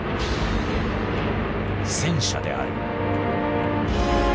戦車である。